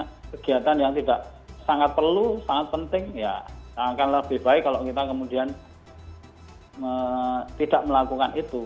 karena kegiatan yang tidak sangat perlu sangat penting ya akan lebih baik kalau kita kemudian tidak melakukan itu